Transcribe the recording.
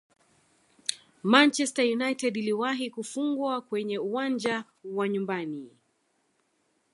manchester united iliwahi kufungwa kwenye uwanja wa nyumbani